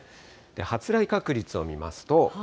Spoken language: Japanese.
発雷確率を見ますと。